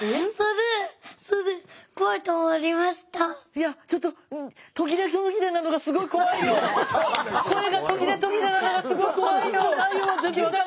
いやちょっと声が途切れ途切れなのがすごい怖いよ玖太君。